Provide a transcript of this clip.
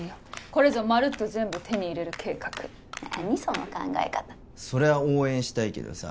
これぞまるっと全部手に入れる計画何その考え方それは応援したいけどさ